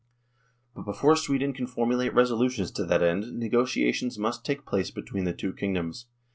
But before Sweden can formulate resolutions to that end negotiations must take place between the two kingdoms.